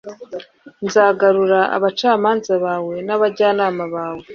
nzagarura abacamanza bawe n'abajyanama bawe